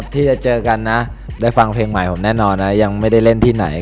ที่จะเจอกันนะได้ฟังเพลงใหม่ผมแน่นอนนะยังไม่ได้เล่นที่ไหน